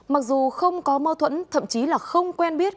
mặc dù không có mâu thuẫn thậm chí là không quen biết